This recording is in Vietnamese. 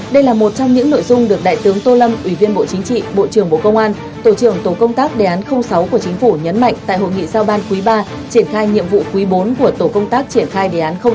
đây là một trong những nội dung được đại tướng tô lâm ủy viên bộ chính trị bộ trưởng bộ công an tổ trưởng tổ công tác đề án sáu của chính phủ nhấn mạnh tại hội nghị sao ban quý iii triển khai nhiệm vụ quý bốn của tổ công tác triển khai đề án sáu